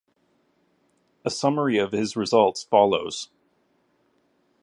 A summary of his results follows.